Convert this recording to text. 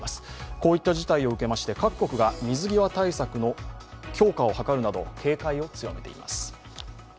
こういった事態を受けまして各国が水際対策の強化をするなど警戒を強めています。